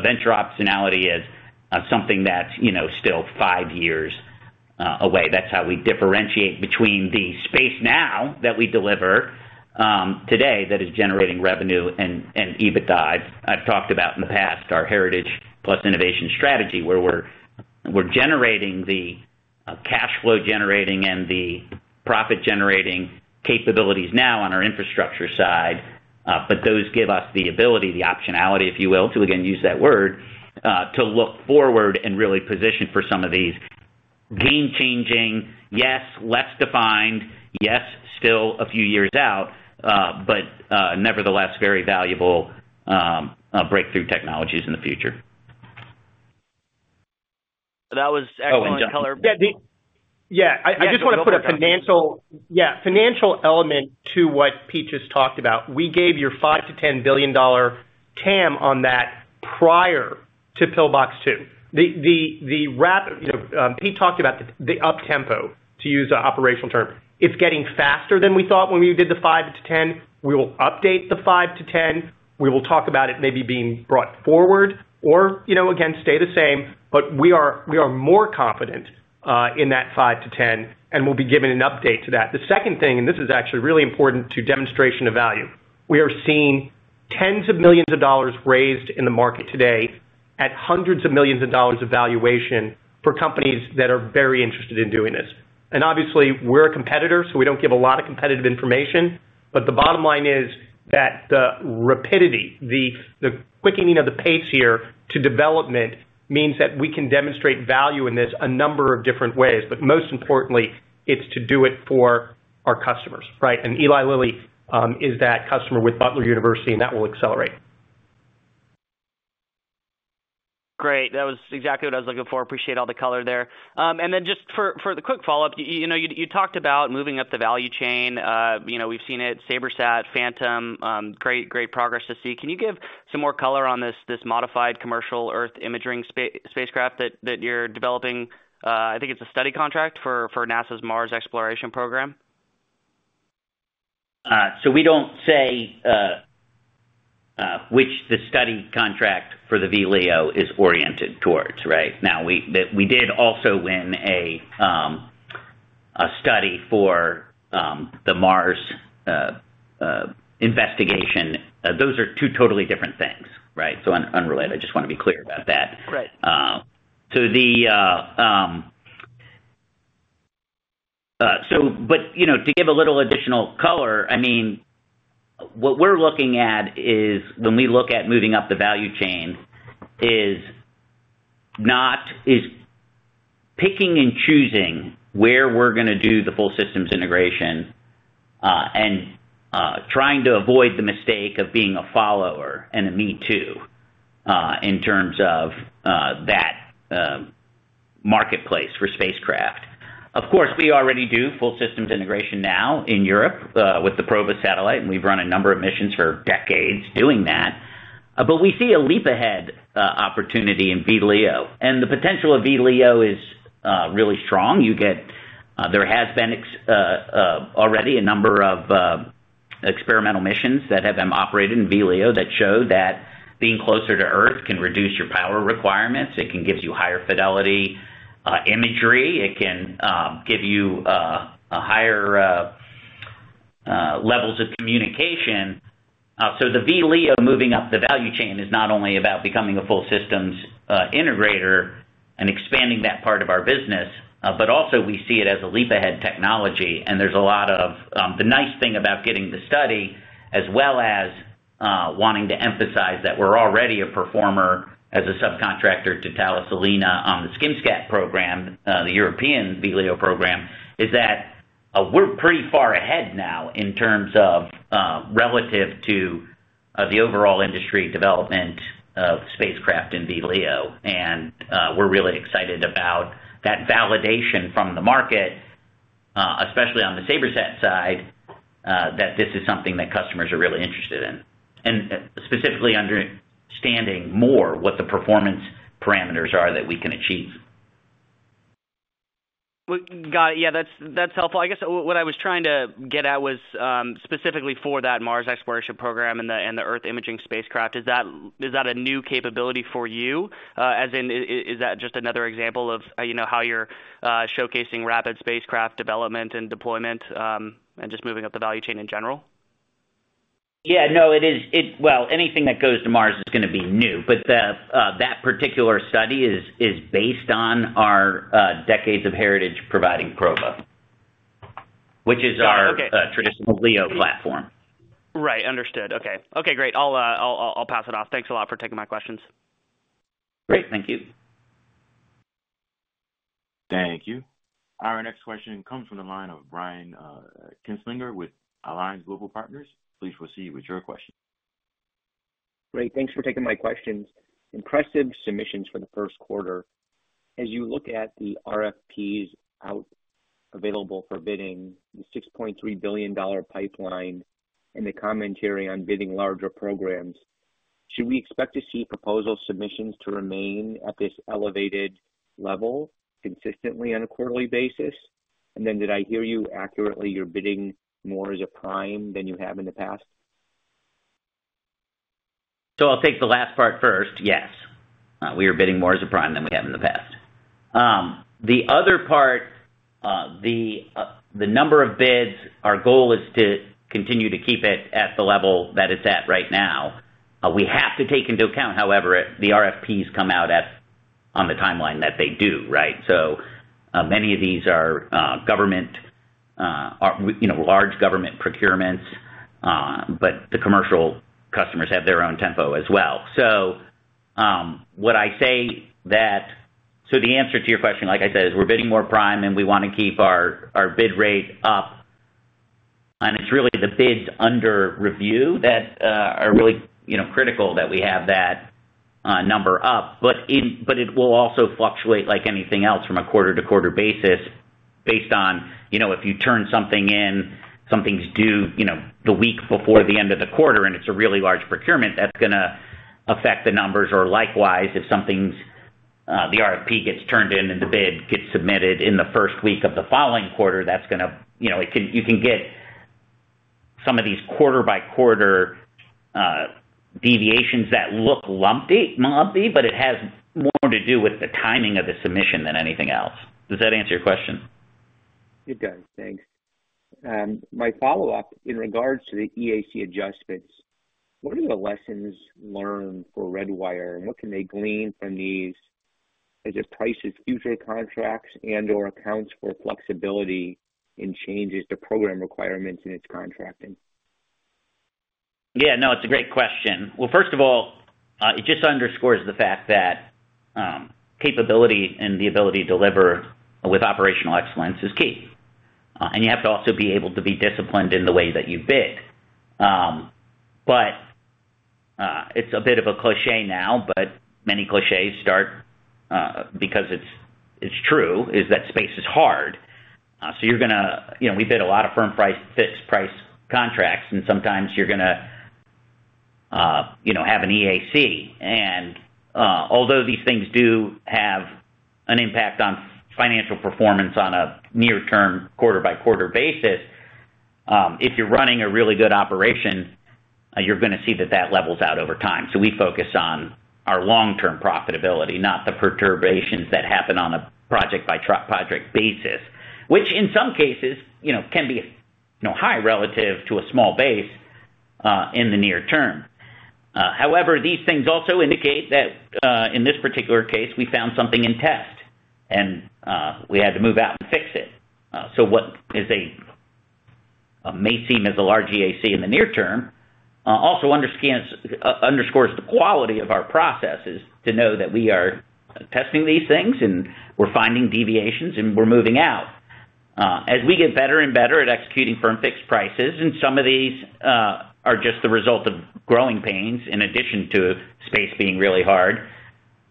C: venture optionality as something that's still five years away. That's how we differentiate between the space now that we deliver today that is generating revenue and EBITDA. I've talked about in the past our heritage-plus-innovation strategy where we're generating the cash flow-generating and the profit-generating capabilities now on our infrastructure side. But those give us the ability, the optionality, if you will, to again use that word, to look forward and really position for some of these game-changing, yes, less defined, yes, still a few years out, but nevertheless very valuable breakthrough technologies in the future.
F: That was excellent color.
C: Oh, and yeah.
D: Yeah, I just want to put a financial yeah, financial element to what Pete just talked about. We gave your $5 billion-$10 billion TAM on that prior to PIL-02. Pete talked about the uptempo, to use an operational term. It's getting faster than we thought when we did the $5 billion-$10 billion. We will update the $5 billion-$10 billion. We will talk about it maybe being brought forward or, again, stay the same. But we are more confident in that $5 billion-$10 billion, and we'll be giving an update to that. The second thing (and this is actually really important to demonstration of value) we are seeing tens of millions of dollars raised in the market today at hundreds of millions of dollars of valuation for companies that are very interested in doing this. And obviously, we're a competitor, so we don't give a lot of competitive information. But the bottom line is that the rapidity, the quickening of the pace here to development means that we can demonstrate value in this a number of different ways. But most importantly, it's to do it for our customers, right? And Eli Lilly is that customer with Butler University, and that will accelerate.
F: Great. That was exactly what I was looking for. Appreciate all the color there. And then just for the quick follow-up, you talked about moving up the value chain. We've seen it. SabreSat, Phantom, great progress to see. Can you give some more color on this modified commercial Earth imaging spacecraft that you're developing? I think it's a study contract for NASA's Mars exploration program.
C: So we don't say which the study contract for the VLEO is oriented towards, right? Now, we did also win a study for the Mars investigation. Those are two totally different things, right? So unrelated. I just want to be clear about that. So, but to give a little additional color, I mean, what we're looking at is when we look at moving up the value chain is picking and choosing where we're going to do the full systems integration and trying to avoid the mistake of being a follower and a me too in terms of that marketplace for spacecraft. Of course, we already do full systems integration now in Europe with the Proba satellite, and we've run a number of missions for decades doing that. But we see a leap ahead opportunity in VLEO. And the potential of VLEO is really strong. There has been already a number of experimental missions that have been operated in VLEO that show that being closer to Earth can reduce your power requirements. It can give you higher fidelity imagery. It can give you higher levels of communication. So the VLEO moving up the value chain is not only about becoming a full systems integrator and expanding that part of our business, but also, we see it as a leap ahead technology. There's a lot of the nice thing about getting the study as well as wanting to emphasize that we're already a performer as a subcontractor to Thales Alenia Space on the SkimSat Program, the European VLEO program, is that we're pretty far ahead now in terms of relative to the overall industry development of spacecraft in VLEO. We're really excited about that validation from the market, especially on the SabreSat side, that this is something that customers are really interested in, and specifically understanding more what the performance parameters are that we can achieve.
F: Got it. Yeah, that's helpful. I guess what I was trying to get at was specifically for that Mars exploration program and the Earth imaging spacecraft. Is that a new capability for you? As in, is that just another example of how you're showcasing rapid spacecraft development and deployment and just moving up the value chain in general?
C: Yeah. No, it is well, anything that goes to Mars is going to be new. But that particular study is based on our decades of heritage providing Proba, which is our traditional LEO platform.
F: Right. Understood. Okay. Okay, great. I'll pass it off. Thanks a lot for taking my questions.
C: Great. Thank you.
A: Thank you. Our next question comes from the line of Brian Kinstlinger with Alliance Global Partners. Please proceed with your question.
G: Great. Thanks for taking my questions. Impressive submissions for the first quarter. As you look at the RFPs available for bidding, the $6.3 billion pipeline, and the commentary on bidding larger programs, should we expect to see proposal submissions to remain at this elevated level consistently on a quarterly basis? And then did I hear you accurately? You're bidding more as a prime than you have in the past?
C: So I'll take the last part first. Yes, we are bidding more as a prime than we have in the past. The other part, the number of bids, our goal is to continue to keep it at the level that it's at right now. We have to take into account, however, the RFPs come out on the timeline that they do, right? So many of these are large government procurements, but the commercial customers have their own tempo as well. So, the answer to your question, like I said, is we're bidding more prime, and we want to keep our bid rate up. It's really the bids under review that are really critical that we have that number up. But it will also fluctuate like anything else from a quarter-to-quarter basis based on if you turn something in, something's due the week before the end of the quarter, and it's a really large procurement, that's going to affect the numbers. Or likewise, if the RFP gets turned in and the bid gets submitted in the first week of the following quarter, that's going to. You can get some of these quarter-by-quarter deviations that look lumpy, but it has more to do with the timing of the submission than anything else. Does that answer your question?
G: It does. Thanks. My follow-up in regards to the EAC adjustments, what are the lessons learned for Redwire, and what can they glean from these? Does it price its future contracts and/or account for flexibility in changes to program requirements in its contracting?
C: Yeah. No, it's a great question. Well, first of all, it just underscores the fact that capability and the ability to deliver with operational excellence is key. And you have to also be able to be disciplined in the way that you bid. But it's a bit of a cliché now, but many clichés start because it's true, is that space is hard. So you're going to we bid a lot of firm-priced, fixed-price contracts, and sometimes you're going to have an EAC. Although these things do have an impact on financial performance on a near-term quarter-by-quarter basis, if you're running a really good operation, you're going to see that that levels out over time. So we focus on our long-term profitability, not the perturbations that happen on a project-by-project basis, which in some cases can be high relative to a small base in the near term. However, these things also indicate that in this particular case, we found something in test, and we had to move out and fix it. So what may seem as a large EAC in the near term also underscores the quality of our processes to know that we are testing these things, and we're finding deviations, and we're moving out. As we get better and better at executing firm-fixed prices, and some of these are just the result of growing pains in addition to space being really hard.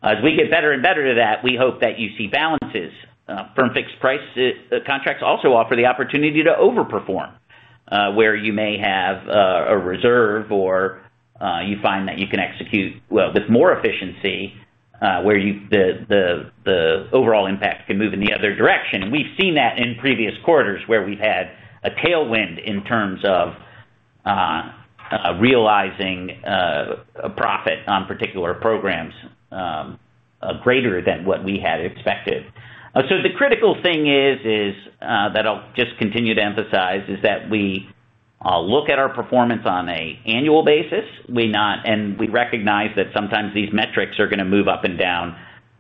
C: As we get better and better to that, we hope that you see balances. Firm-fixed contracts also offer the opportunity to overperform where you may have a reserve, or you find that you can execute with more efficiency where the overall impact can move in the other direction. We've seen that in previous quarters where we've had a tailwind in terms of realizing a profit on particular programs greater than what we had expected. So the critical thing is, that I'll just continue to emphasize, is that we look at our performance on an annual basis, and we recognize that sometimes these metrics are going to move up and down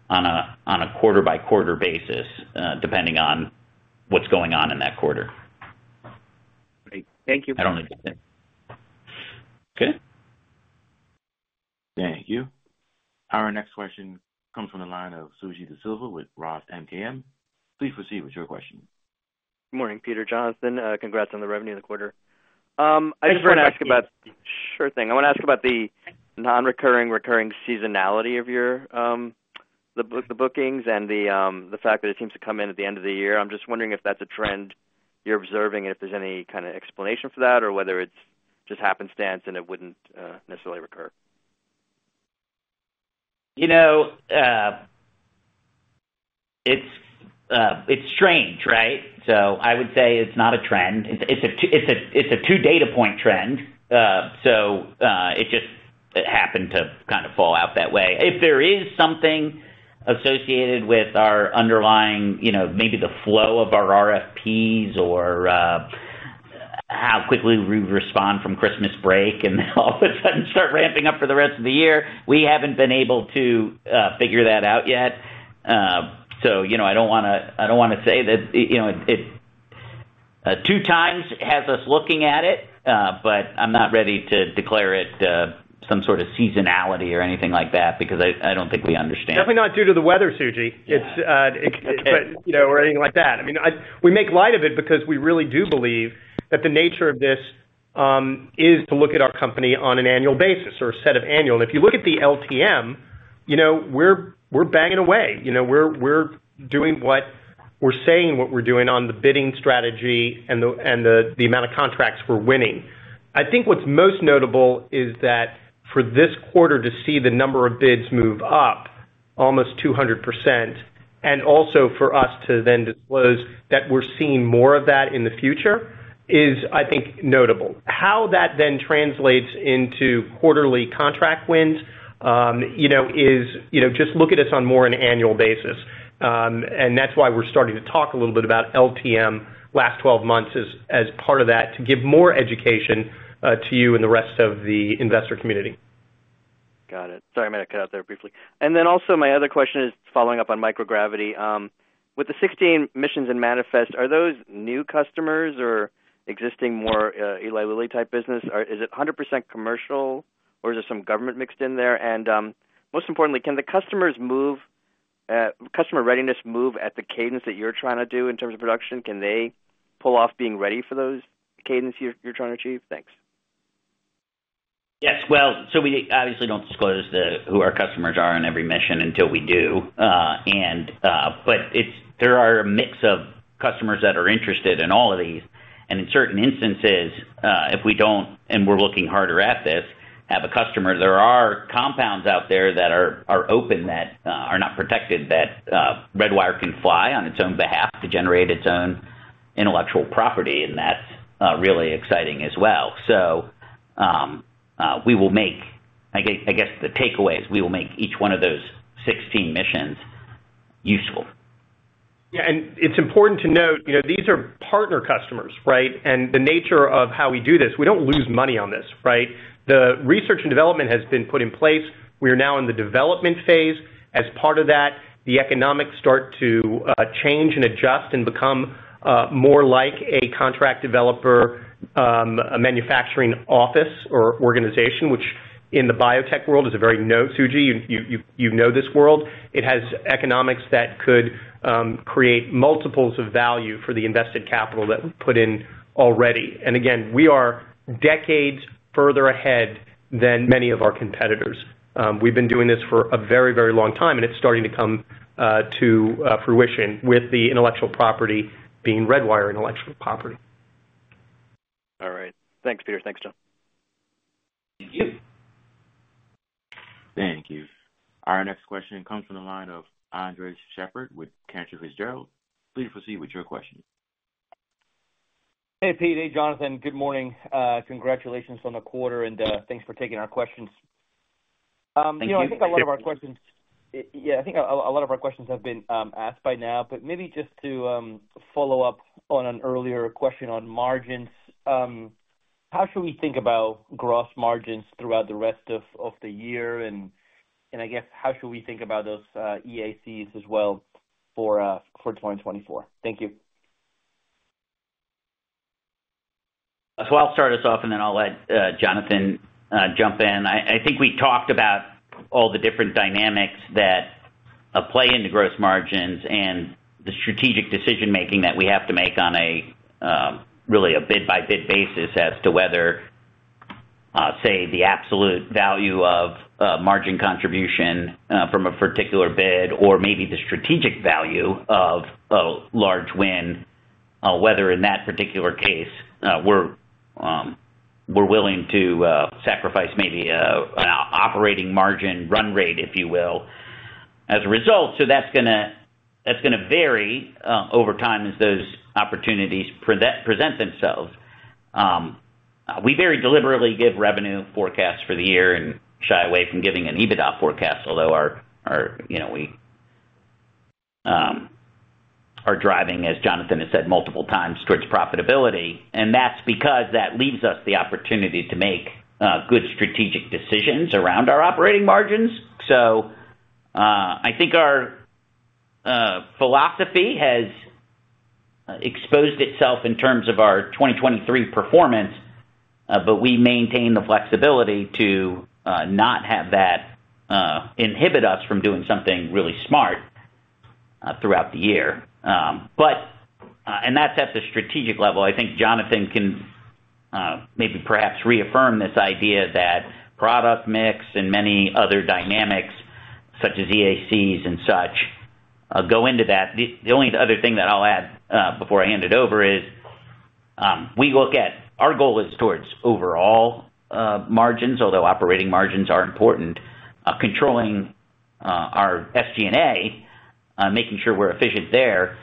C: on a quarter-by-quarter basis depending on what's going on in that quarter.
G: Great. Thank you.
C: I don't need to say. Okay.
A: Thank you. Our next question comes from the line of Suji Desilva with Roth MKM. Please proceed with your question.
H: Good morning, Peter, Jonathan. Congrats on the revenue in the quarter. I just want to ask about sure thing. I want to ask about the non-recurring, recurring seasonality of the bookings and the fact that it seems to come in at the end of the year. I'm just wondering if that's a trend you're observing and if there's any kind of explanation for that or whether it's just happenstance and it wouldn't necessarily recur.
C: It's strange, right? So I would say it's not a trend. It's a two data point trend, so it just happened to kind of fall out that way. If there is something associated with our underlying maybe the flow of our RFPs or how quickly we respond from Christmas break and all of a sudden start ramping up for the rest of the year, we haven't been able to figure that out yet. So I don't want to say that it two times has us looking at it, but I'm not ready to declare it some sort of seasonality or anything like that because I don't think we understand.
D: Definitely not due to the weather, Suji, or anything like that. I mean, we make light of it because we really do believe that the nature of this is to look at our company on an annual basis or a set of annual. If you look at the LTM, we're banging away. We're doing what we're saying what we're doing on the bidding strategy and the amount of contracts we're winning. I think what's most notable is that for this quarter to see the number of bids move up almost 200% and also for us to then disclose that we're seeing more of that in the future is, I think, notable. How that then translates into quarterly contract wins is just look at us on more an annual basis. And that's why we're starting to talk a little bit about LTM last 12 months as part of that to give more education to you and the rest of the investor community.
H: Got it. Sorry, I'm going to cut out there briefly. And then also, my other question is following up on microgravity. With the 16 missions and manifest, are those new customers or existing more Eli Lilly-type business? Is it 100% commercial, or is there some government mixed in there? And most importantly, can the customer readiness move at the cadence that you're trying to do in terms of production? Can they pull off being ready for those cadence you're trying to achieve? Thanks.
C: Yes. Well, so we obviously don't disclose who our customers are in every mission until we do. But there are a mix of customers that are interested in all of these. And in certain instances, if we don't and we're looking harder at this, have a customer, there are compounds out there that are open that are not protected that Redwire can fly on its own behalf to generate its own intellectual property. And that's really exciting as well. So we will make—I guess the takeaway is we will make—each one of those 16 missions useful.
D: Yeah. And it's important to note, these are partner customers, right? And the nature of how we do this, we don't lose money on this, right? The research and development has been put in place. We are now in the development phase. As part of that, the economics start to change and adjust and become more like a contract developer, a manufacturing office or organization, which in the biotech world is a very—no, Suji, you know this world. It has economics that could create multiples of value for the invested capital that we put in already. And again, we are decades further ahead than many of our competitors. We've been doing this for a very, very long time, and it's starting to come to fruition with the intellectual property being Redwire intellectual property.
H: All right. Thanks, Peter. Thanks, John.
C: Thank you.
A: Thank you. Our next question comes from the line of Andres Sheppard with Cantor Fitzgerald. Please proceed with your question.
I: Hey, Pete. Hey, Jonathan. Good morning. Congratulations on the quarter, and thanks for taking our questions. Thank you. I think a lot of our questions yeah, I think a lot of our questions have been asked by now. But maybe just to follow up on an earlier question on margins, how should we think about gross margins throughout the rest of the year? And I guess, how should we think about those EACs as well for 2024? Thank you.
C: So I'll start us off, and then I'll let Jonathan jump in. I think we talked about all the different dynamics that play into gross margins and the strategic decision-making that we have to make on really a bid-by-bid basis as to whether, say, the absolute value of margin contribution from a particular bid or maybe the strategic value of a large win, whether in that particular case, we're willing to sacrifice maybe an operating margin run rate, if you will, as a result. So that's going to vary over time as those opportunities present themselves. We very deliberately give revenue forecasts for the year and shy away from giving an EBITDA forecast, although we are driving, as Jonathan has said multiple times, towards profitability. That's because that leaves us the opportunity to make good strategic decisions around our operating margins. So I think our philosophy has exposed itself in terms of our 2023 performance, but we maintain the flexibility to not have that inhibit us from doing something really smart throughout the year. That's at the strategic level. I think Jonathan can maybe perhaps reaffirm this idea that product mix and many other dynamics such as EACs and such go into that. The only other thing that I'll add before I hand it over is we look at our goal is toward overall margins, although operating margins are important. Controlling our SG&A, making sure we're efficient there,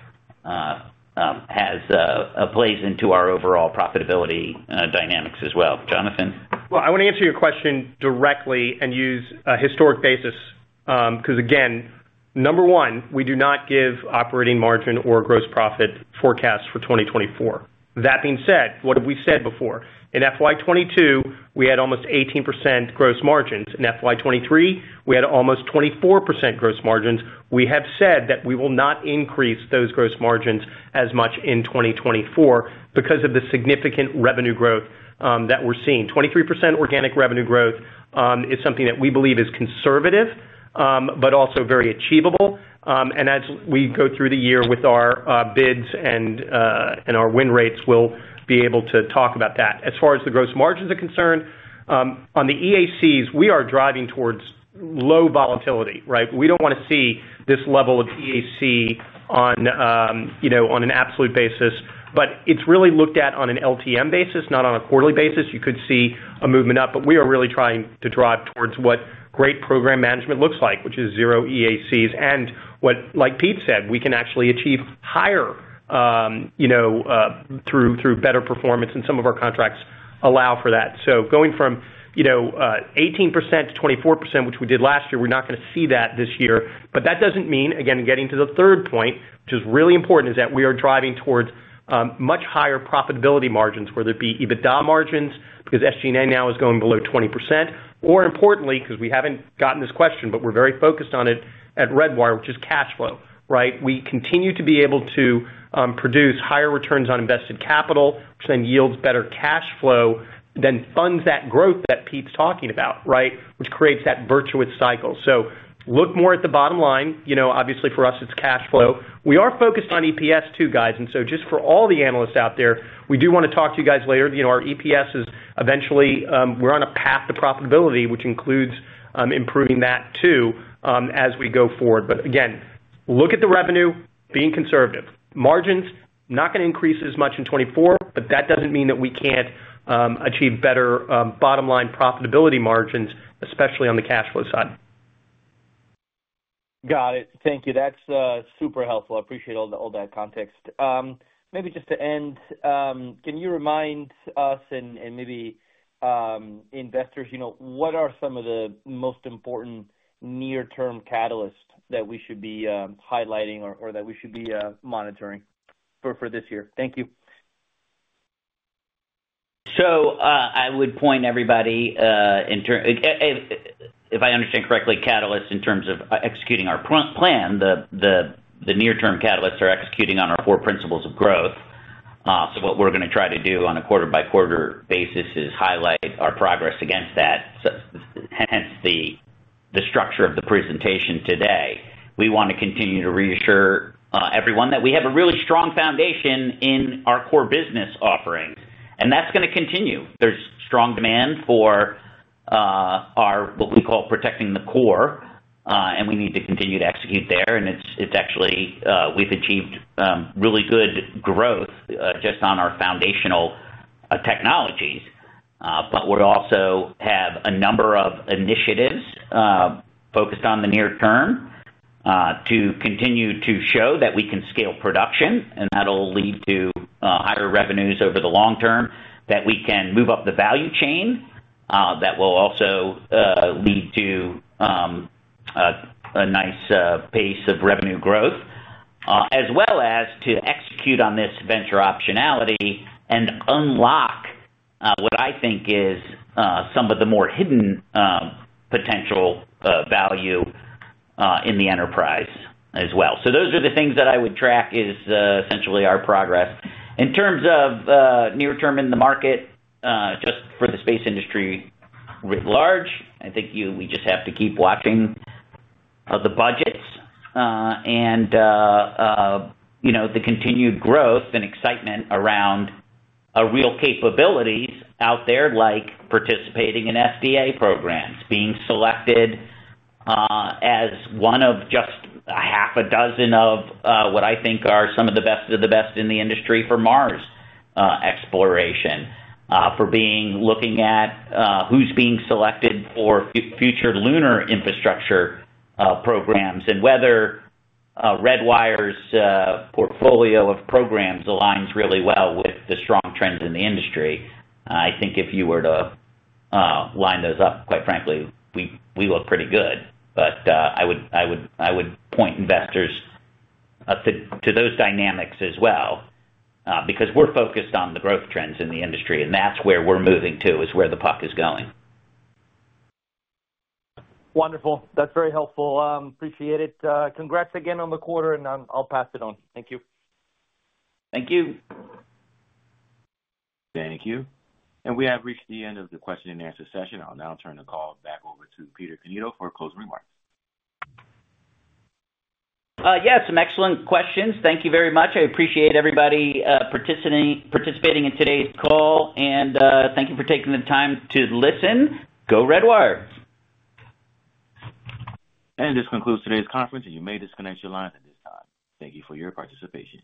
C: plays into our overall profitability dynamics as well. Jonathan?
D: Well, I want to answer your question directly and use a historic basis because, again, number one, we do not give operating margin or gross profit forecasts for 2024. That being said, what have we said before? In FY2022, we had almost 18% gross margins. In FY2023, we had almost 24% gross margins. We have said that we will not increase those gross margins as much in 2024 because of the significant revenue growth that we're seeing. 23% organic revenue growth is something that we believe is conservative but also very achievable. And as we go through the year with our bids and our win rates, we'll be able to talk about that. As far as the gross margins are concerned, on the EACs, we are driving towards low volatility, right? We don't want to see this level of EAC on an absolute basis. But it's really looked at on an LTM basis, not on a quarterly basis. You could see a movement up, but we are really trying to drive towards what great program management looks like, which is zero EACs. And like Pete said, we can actually achieve higher through better performance, and some of our contracts allow for that. So going from 18%-24%, which we did last year, we're not going to see that this year. But that doesn't mean, again, getting to the third point, which is really important, is that we are driving towards much higher profitability margins, whether it be EBITDA margins because SG&A now is going below 20% or importantly because we haven't gotten this question, but we're very focused on it at Redwire, which is cash flow, right? We continue to be able to produce higher returns on invested capital, which then yields better cash flow then funds that growth that Pete's talking about, right, which creates that virtuous cycle. So look more at the bottom line. Obviously, for us, it's cash flow. We are focused on EPS too, guys. And so just for all the analysts out there, we do want to talk to you guys later. Our EPS is eventually we're on a path to profitability, which includes improving that too as we go forward. But again, look at the revenue, being conservative. Margins, not going to increase as much in 2024, but that doesn't mean that we can't achieve better bottom-line profitability margins, especially on the cash flow side.
I: Got it. Thank you. That's super helpful. I appreciate all that context. Maybe just to end, can you remind us and maybe investors, what are some of the most important near-term catalysts that we should be highlighting or that we should be monitoring for this year? Thank you.
C: So I would point everybody, in terms if I understand correctly, catalysts in terms of executing our plan, the near-term catalysts are executing on our four principles of growth. So what we're going to try to do on a quarter-by-quarter basis is highlight our progress against that, hence the structure of the presentation today. We want to continue to reassure everyone that we have a really strong foundation in our core business offerings, and that's going to continue. There's strong demand for what we call protecting the core, and we need to continue to execute there. And we've achieved really good growth just on our foundational technologies. But we also have a number of initiatives focused on the near term to continue to show that we can scale production, and that'll lead to higher revenues over the long term, that we can move up the value chain, that will also lead to a nice pace of revenue growth, as well as to execute on this venture optionality and unlock what I think is some of the more hidden potential value in the enterprise as well. So those are the things that I would track is essentially our progress. In terms of near-term in the market, just for the space industry at large, I think we just have to keep watching the budgets and the continued growth and excitement around real capabilities out there like participating in FDA programs, being selected as one of just half a dozen of what I think are some of the best of the best in the industry for Mars exploration, for looking at who's being selected for future lunar infrastructure programs, and whether Redwire's portfolio of programs aligns really well with the strong trends in the industry. I think if you were to line those up, quite frankly, we look pretty good. But I would point investors to those dynamics as well because we're focused on the growth trends in the industry, and that's where we're moving to, is where the puck is going.
I: Wonderful. That's very helpful. Appreciate it. Congrats again on the quarter, and I'll pass it on. Thank you.
C: Thank you.
A: Thank you. We have reached the end of the question-and-answer session. I'll now turn the call back over to Peter Cannito for closing remarks.
C: Yeah, some excellent questions. Thank you very much. I appreciate everybody participating in today's call, and thank you for taking the time to listen. Go Redwire.
A: This concludes today's conference, and you may disconnect your lines at this time. Thank you for your participation.